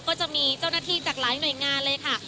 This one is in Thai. ก็จะมีเจ้าหน้าที่จากหลายหน่วยงานเลยค่ะ